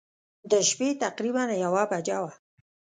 د شپې تقریباً یوه بجه وه.